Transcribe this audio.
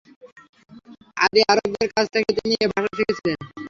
আদি আরবদের কাছ থেকে তিনি এ ভাষা শিখেছিলেন।